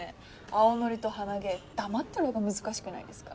青のりと鼻毛黙ってる方が難しくないですか？